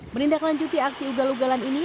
menindaklanjuti aksi ugal ugalan ini